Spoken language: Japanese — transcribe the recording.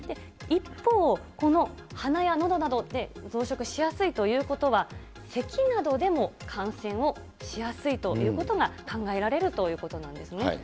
一方、この鼻やのどなどで増殖しやすいということは、せきなどでも感染をしやすいということが考えられるということなんですね。